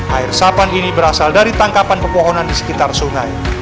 air sapan ini berasal dari tangkapan pepohonan di sekitar sungai